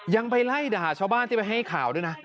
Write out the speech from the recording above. ยังไปไล่ด่าชาวบ้านที่ไปให้ข่าวด้วยนะ